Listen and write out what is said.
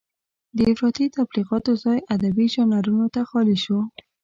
د افراطي تبليغاتو ځای ادبي ژانرونو ته خالي شو.